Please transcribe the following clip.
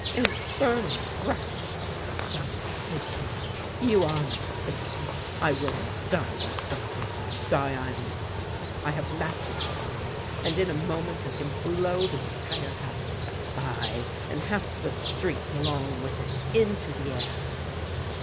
"Infernal wretch!" shouted Tidkins: "you are mistaken! I will not die by starvation, if die I must. I have matches with me—and in a moment I can blow the entire house—aye, and half the street along with it—into the air!"